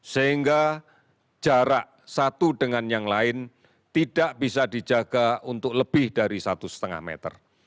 sehingga jarak satu dengan yang lain tidak bisa dijaga untuk lebih dari satu lima meter